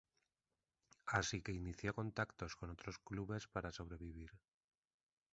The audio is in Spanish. Así que inició contactos con otros clubes para sobrevivir.